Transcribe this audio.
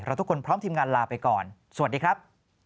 ทุกคนพร้อมทีมงานลาไปก่อนสวัสดีครับ